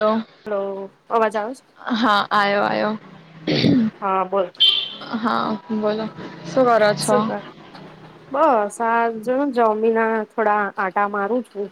હ હલો અવાજ આવે છે? હા આ્યો આ્યો હા હા. બોલો. શું કરો છો શભ બસ. હ જો ચમીના થોડા આટા મારું છું.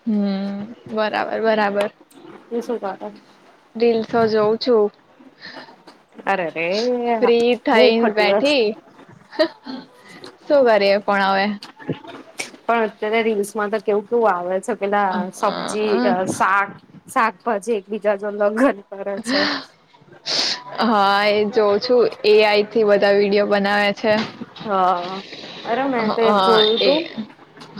હમ બરાબર બરાબર. તું શું કરે? રીલસો જોઉં છું. અરે ર ફ્રી હું થઈને ખટીિવ. બેઠી શું કરીએ પણ હવે. પણ અત્યારે રીલ્સ માં તો કેવું કેવું આવે છે પલા અ સબ્જી શાક. શાકભાજી એક બીજ. હા એ જોઉં છું એ આઈ. થી બધા વિડીયો બનાવે. છે હા અરે મેં તો હા એ જોયું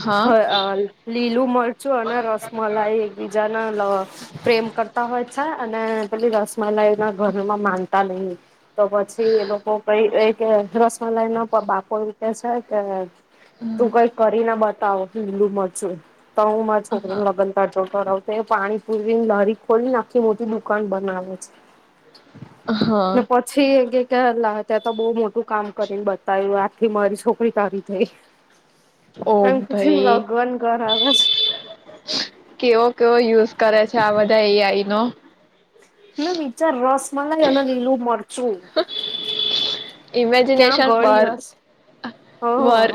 હા તું લીલું મરચું અને રસમલાઈ એકબીજાના પ્રેમ કરતા હોય છે. અને પેલી રસ. મલા એના ઘર માં માન. [unintelligible] તો પછી એ લોકો કઈ. રસમલાઈ ન. બાપ રીતે છે કે. તું કઈ કરી ના બતા. હિન્દુમાં છ. તું મા હા છોકરીને લ્બંધ કરજો. વ તો પાણી પૂરવીને લારી ખોલીને આખી મોટી દુકાન બનાવે હા છે. પછી. અલા ત્યાં તો બહુ મોટું કામ કરીને બ. આખથી મારી છોકરી તારી થઈ. ઓ એમ ભાઈ લગન કરાવે છે કેવો કેવો યુઝ કરે છે આ બધા એઆઈ નો. ના બચાર રસ. મલ જન લીલું મળ ક્યાં ઇમેજિનેશન ગળી બાર રસ હ બાર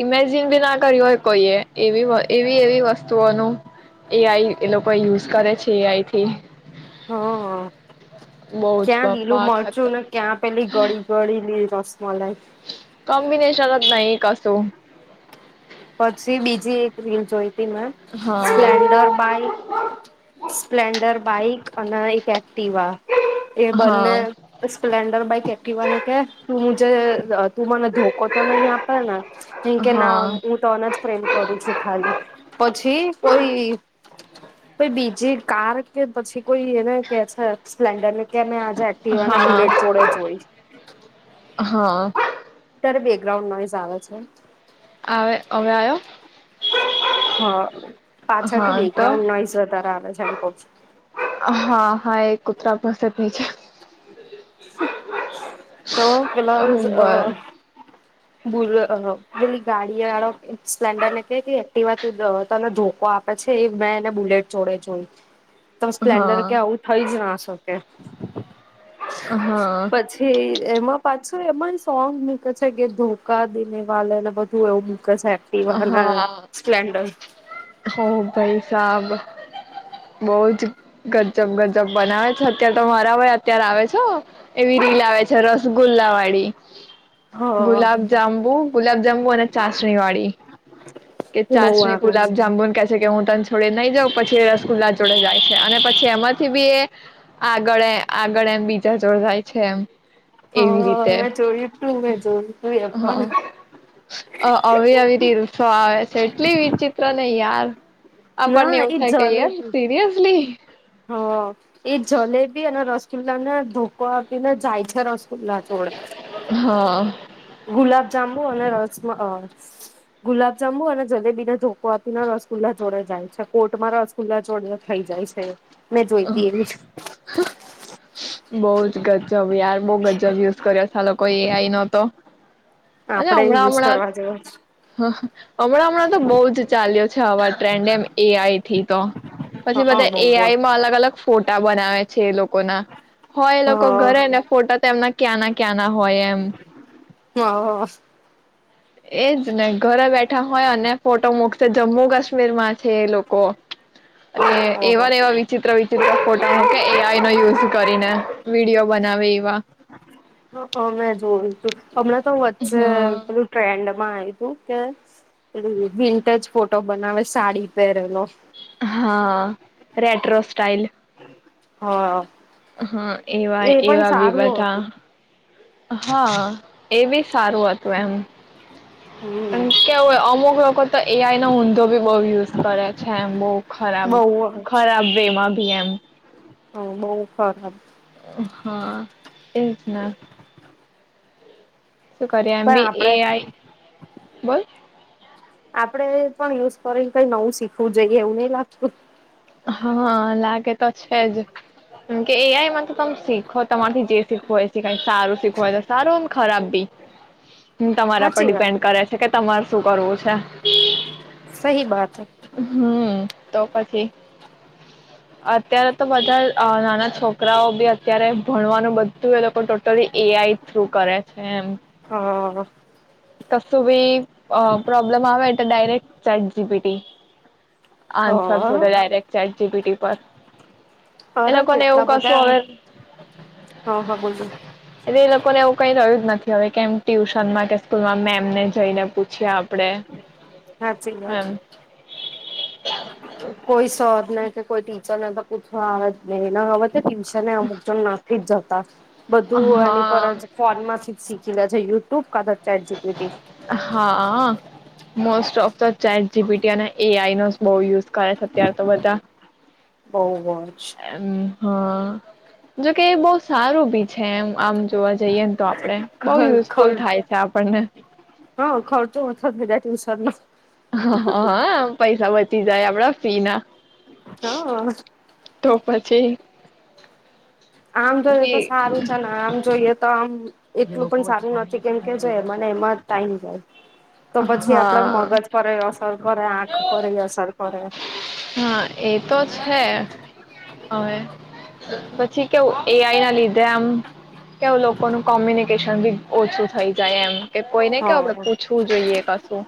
ઈમેજિન બી ના કર્યું હોય કોઈએ એવી એવી એવી વસ્તુઓનું એઆઈ એ લોકો યુઝ કરે છે એઆઈથી હ હ બહુ જ ક્યાં લીલું બાપા મરચું ખતર ને ક્યાં પેલી ગળી ગળી લી [unintelligible] કોમ્બિનેશન જ નહી કસું પછી બીજી એક રીલ જોઈ તેમાં હા સ્પ્લેન્ડર બાઈક સ્પ્લેન્ડર બાઈક અને એક એ- એકટીવા એ બંને હા સ્પ્લેન્ડર બાઈક એકટીવાને કે તું [unintelligible] તું મને ધોકો તો નહી આપે ને કેમ કે ના હા જ પ્રેમ કરું છું ખાલી પછી કોઈ કોઈ બીજી કાર કે પછી કોઈ એને કે છે સ્પ્લેન્ડર ની કે મે આજે એક્ટિવા ને હા બુલેટ જોડે જોઈ હા બેકગ્રાઉન્ડ નોઈઝ આવે છે વે હવે આયો હા પાછળથી તો બેકગ્રાઉન્ડ નોઈઝ વધારે આવે છે એમ કઉ છું ભસે ભસે [inaudible] તો પેલાંઝ અ બોલ અ પેલી ગાડી વાળો સ્પ્લેન્ડર ને કે કે એકટીવા તને ધોકો આપે છે એ મેં એને બુલેટ જોડે જોય તો સ્પ્લેન્ડર હા કે આવું થઈ જ ના શ [unintelligible] હા એમાં પાછું એમાય સોંગ મૂકે છે કે ધોકા દેને વાલેને બધું એવું મ એકટીવાને હા સ્પ્લેન્ડર હો ભાઈ સાબ બહું જ ગજજબ ગજજબ બનાવે છે અત્યારે તો મારા માયે અત્યારે આવે છે એવી રીલ આવે છે રસગુલ્લા વાળી હા ગુલાબ જાંબુ ગુલાબજાંબુ અને ચાસણી વાળી કે બહુ ચાસણી આવે છે. ગુલાબ જાંબુન કે છે કે હું છોડે નઈ જાવ પછી રસગુલ્લા જોડે જાય છે. અને પછી એમાંથી બી એ. આગળ. આગળ એમ બીજા જોર જાય છે એમ એવી રીતે હા મેં જોયું તું મેં જોયું તું એ હ પણ આવી આવી રી. આવે છે એટલી વિચિત્ર નહી. યાર આપણને ના એવું ઈ થાય કે યાર જલેી સિરિયસલી હ ઈ જલેબી અને રસ તુલા ના ધોકો આપીને જાય છે રસ ખુલ્લા ચોડ હા ગુલાબ જાંબુ અને રસમાં ગુલાબ જાંબુ અને જલેબીને ધોકો આપીને રસગુલ્લા જોડે જાય છે. કોર્ટ મારાકુલ્લા જોડે થઈ જાય છે. મેં જોઈતી એવી. બહ જ ગજબ યાર બઉ ગજબ યુઝ કર્યો સાલઈ એ આઈ નતો અને આપડે હમણાં યુઝ હમણાં કરવા જેવો છે હમણાં હમણાં તો બહ જ ચાલ્યો ાવા [unintelligible] ટ્રેન્ડ એમ એ આઈ થી તો પછી હ બધા બઉ એ બઉ આઈમાં અલગ અલગ ફોટા બનાવે છે એ લોકોના હ એ લોકો ઘરે હ ને ફોટો તેમ ના ક્યા ના ક્યા ના હોય એમ. એજ ને ઘરે બેઠા હોય અને ફોટો મકશે જમ્મુ કાશ્મીરમાં છે લોકો એ ઓહો એવાને એવા વિચિત્ર વિચિત્ર ફોટા ન કે એ આઈ નો યુઝ કરીને વિડીયો બનાવે એવા. હ હ મેં જોયું હતું. હમણાં તો વચ્ચે હમ પેલું ટ્રેન્ડ માં એ તું કે વિન્ટેજ ફોટો બનાવે સાડી પહેરેલો. હા રેટ્રો સ્ટાઇલ. હા. હા એવા એ પણ એવા બી સારું બધા. હતું હા એ બી સારું હતું હમ એમ કેવું. અમુક લોકો તો એ આઈ નો ઊંધો બી બહ યુઝ કરે છે એમ બહ ખરાબ બઉ ખરાબ વે માં ભી એમ. હા બહ ખરાબ. હા. એજ ના. શું કરીએ એમ પણ બી એ આપડે આઈ બોલ. આપડે પણ યુઝ કરીને કઈ નવું શીખવું જોઈએ એવું નઈ લાગતું? હા લાગે તો છે જ. મ કે એ મ તો તમે શીખો તમારથી જે શીખવો એ શીખાય સારું શીખવા ને સારું ખરાબ બી. તમારા પર સાચી વાત ડિપેન્ડ કરે છે કે તમારે શું કરવું છે. સહી બાત હમ. તો પછી અત્યારે તો બધા નાના અ છોકરાઓ બી અત્યારે ભણવાનું બધું એ લોકો ટોટલી એ આઈ થ્રુ કરે છે એમ. હંઅઅ. કશું બી અ પ્રોબ્લેમ આવે એટલે direct chat G P T. હ [unintelligible] સરસો [unintelligible] જી પી ટી પર. એ અરે લોકોને એવું કેટલા કશું બધા અવે હા હા બોલો એટલે એ લોકોને એવું કઈ રહ્યું જ નથી હવે કેમ ટ્યુશનમાં કે સ્કૂલમાં મેમને જઈને પૂછીએ આપડે. હાચી વાત. એમ નઈ તો કોઈ ટીચરને તો પૂછવા આવત [unintelligible] હવત ટ્યુશને અમુક જનના [unintelligible] જતા બધું એની પર હા જ ફોન માંથી જ શી કીલા છે યુટ્યુબ કાદર હાં. Most of the chat G P T અને એ આઈ નો જ બો યુઝ કરે છે, અત્યાર તો બધા બઉ વજ હાં, જોકે એ બઉ સારું ભી છે એમ આમ જોવા જઈએ ને તો આપ ખર હ ખર હં ખરતો [unintelligible] [unintelligible] હ અ હા. પૈસા બચી જાય આપડા ફીના. હાં. તો પછી આમ જોઈએ તો બી સારું છે ને આમ જોઈએ તો આમ એટલું પન સારું નથી, કેમ કે જો એમાને એમાં જ ટાઈમ જાય. તો પછી આપડા હા મગજ પર એ અસર કરે આંખ પરેય અસર કરે. હા અવે પછી કેવું એ આઈ આ લીધે આમ કેવું લોકોનું કોમ્યુનિકેશન બી ઓછું થઈ જાય એમ કે કોઈને કેવુ આપડે હા પૂછવું જોઈએ કશું.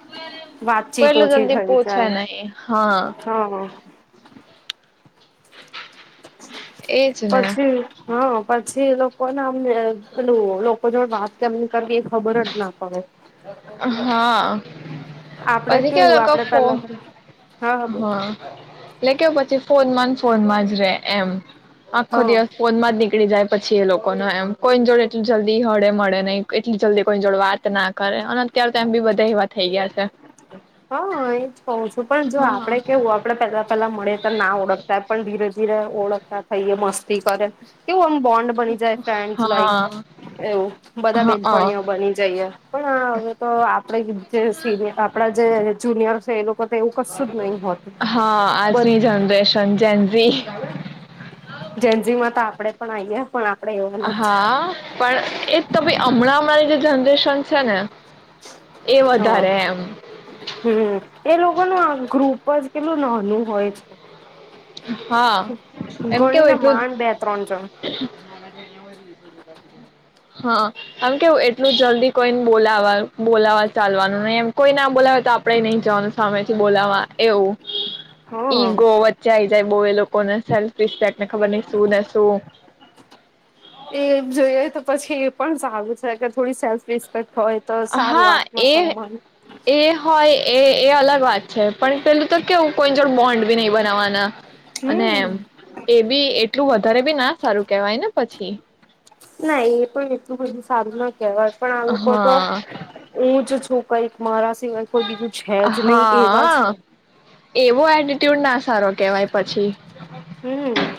વાતચીત કોઈલું ઓછી જલ્દી થઈ પૂછાય જાય નહી, હાં. હા એજ ને પછી હાં પ છી લોકોને અમને પેલું લોકો જોડ વાત કેમ કરવી એ ખબર જ ના પડે. હા. આપડે પછી કેવ કેવું લગ આપડે ફો પેલા હા બોલ હા લ કે. ફોનમાંન ફોનમાં જ રે એમ. આખો હા દિવસ ફોનમાં જ નીકળી જાય. પછી એ લોકો ન એમ કોઈની જોડે એટલું જલ્દી હળે મળે નહી એટલી જલ્દી. કોઈ જોડ વાત ના કરે અને અત્યારે તો એમ બી બધા એવા થઈ ગયા છે. હા એ જ કહું છું પણ જો આપડે કેવું આપડે પેલા પેલા મળે તો ના ઓળખતા પણ ધીરે ધીરે ઓળખ. થઈ મસ્તી કરે એવું આમ બોન્ડ બની જાય ફન્ડ હા લાઈક એવું બધા હા બેનપણીઓ બની જઈએ પણ હવે તો આપણે આપ. Junior fail. હા આજની બધ જનરેશન જેનજી જેન્જી માં તો આપડે પણ આઈએ. પણ આપડે એવા નથી. હા પણ એ જ તો ભાઈ હમણાં હમણાં જે જન. એડમિશન છેને હા હમ એ લોકો. ગ્રુપ જ કેટલું નાનું હોય છે. હા એમ કેવું ગણીને એટલું. માંડ બે ત્રણ જણ હા આમ કેવું એટલું જલ્દી કોઈને બોલાવા બોલાવા ચાલવાનું નહી એમ કોઈ ના બોલાવે તો આપડે નઈ જવાનું સામેથી બોલાવવા એવું. હા. ઈગો વચે થઇને જ. બહુ એ લોકોને સેલ્ફ રિસ્પેકને ખબર ન શું ને શું. એ જોઈએ તો પછી એ પણ સારું છે કે થોડી સેલ્ફ રિસ્પેક્ટ એમ. હા એ એ હોય એ એ અલગ વાત છે પણ પેલું તો કેવું કોઈ જોડ બોન્ડ. બનાવાના. અને એ બી એટલું વધારે. બી ના સારું કેવાય ને પછી. ના એ પણ એટલું બધું સારું નથી. કહેવાય પણ આ લોકો હા તો હ જ. છ એક મા. સિવાય કોઈ બીજું છે જ નહી એવા છે. ડ ના. સારો કેવાય પછી હમ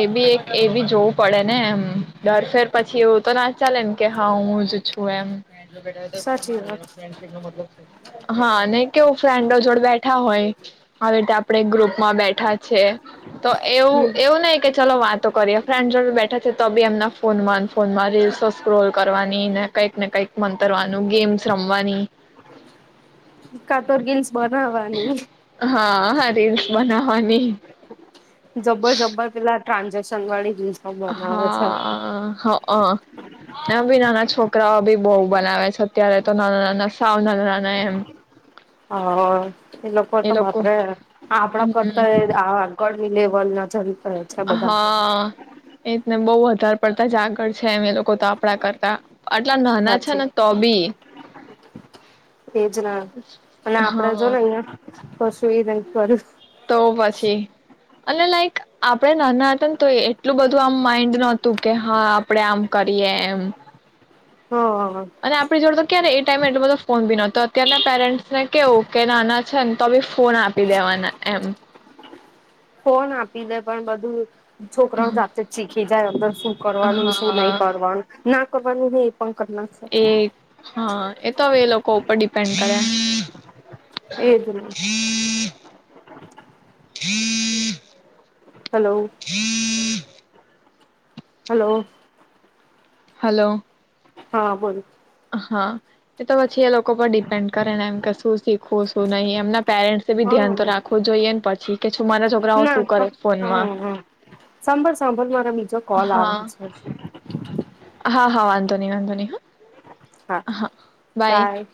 એ બી એક એ બી જોવું પડેને એમ દરફેર પછી એવું તો ના ચાલે ને કે હા હું જ છું એમ. સાચી મારી વાત ફ્રેન્ડશીપ ન મતલબ છે. હા નઈ કેવું ફ્રેન્ડો જોડે બેઠા હોય આવી રીતે આપણે ગ્રુપમાં બેઠા છીએ તો. એવું હમ એવું ન કે. ચાલો વાતો કરીએ. ફ્રેન્ડ જોડે બેઠીતી તો બી એમના ફોનમાં, ફોનમાં રીલ્સ સ્ક્રોલ કરવાની ને કઈક ને કઈક મંતરવાનું, ગેમ્સ રમવાની. કા તો રીલ્સ--. બનાવાની. હા હા રિલ્સ બનાવાની. જબર જબર પેલા ટ્રાન્ઝેક્શન વાળી રીલ્સો બનાવે છે હાઆઆ હંઅ! એમ બી નાના છોકરાઓ બી બહુ બનાવે છે. અત્યારે, તો નાના નાના સાવ નાના નાના એમ હંઅઅ એ લોકો તો માત્ર આપણા કરતા એ હમ આગળ લેવલ ના ચ હા આઆ એ જ ને બહુ જ. વધાર પડતા જ આગળ છે. એમ એ લોકો તો આપડા કરતા. આટલા નાના છે સાચી ને તો બી એજ ને [unintelligible] હા. કો શું ઈ લઈ ના ફરે [inaudible] તો પછી અને લાઈક, આપણે નાના હતા ને તો એટલું બધું આમ માઇન્ડ નતું કે, હા આપડે આમ કરીએ એમ. હ અને આપણી જોડે તો ત્યારે એ ટાઈમે એટલો બધો ફોન બી નતો, અત્યાર ના પેરેન્ટ્સ ને કેવું કે, નાના છે ને તો બી ફોન આપી દેવાના એમ. ફોન આપી દે પણ બધું છોકરા જાતે જ શીખી જાય અંદર શું કરવાનું? શું હા નહી કરવાનું? ના ખબર નહી. પંકજના સર. એ હા એ તો હવે, એ લોકો ઉપર ડિપેન્ડ કરે. એજ ને હમ. [inaudible] હમ. [inaudible] હેલો! હલો! હલો! હા બોલો. હા એ તો પછી, એ લોકો પર ડી પેન્ડ કરે ને, એમ કે શું શીખવું શું નહીં? એમના પેરેન્ટ્ એ બી ધ્યાન તો હા રાખવું જોઈએ ને પછી, કે છું મારા છોકરાઓ શું ના કરે છે ફોનમાં હમ્મ હમ્મ, સાંભળ સાંભળ મારા બીજો કોલ હા આવે છે. હા હા વાંધોની વાંધો ની હો. હા! બાય.